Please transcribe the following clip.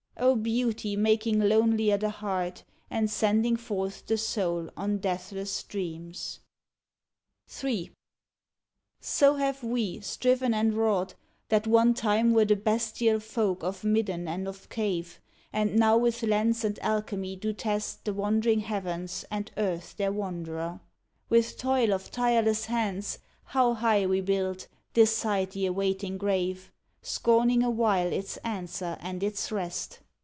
O beauty making lonelier the heart, And sending forth the soul on deathless dreams ! Ill So^have we striven and wrought, that one time were The bestial folk of midden and of cave And now with lens and alchemy do test The wandering heavens and Earth their wanderer. With toil of tireless hands, How high we build, this side the awaiting grave, Scorning awhile its answer and its rest!